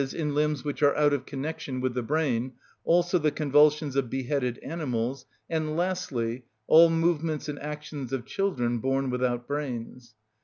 _, in limbs which are out of connection with the brain, also the convulsions of beheaded animals, and, lastly, all movements and actions of children born without brains.